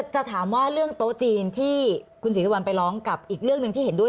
จะถามว่าเรื่องโต๊ะจีนที่คุณศรีสุวรรณไปร้องกับอีกเรื่องหนึ่งที่เห็นด้วย